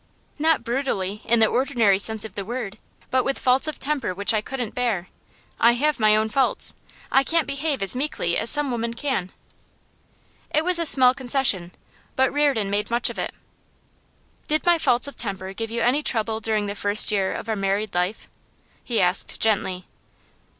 'Not brutally, in the ordinary sense of the word. But with faults of temper which I couldn't bear. I have my own faults. I can't behave as meekly as some women can.' It was a small concession, but Reardon made much of it. 'Did my faults of temper give you any trouble during the first year of our married life?' he asked gently.